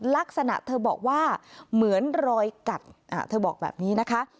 ลักษณะเธอบอกว่าเหมือนรอยกัดเธอบอกแบบนี้นะคะ